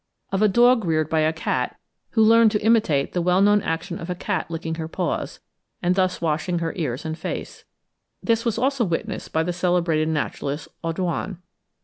of a dog reared by a cat, who learnt to imitate the well known action of a cat licking her paws, and thus washing her ears and face; this was also witnessed by the celebrated naturalist Audouin.